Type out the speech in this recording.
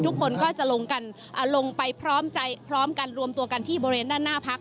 ทุกคนก็จะลงไปพร้อมกันรวมตัวกันที่บริเวณด้านหน้าพัก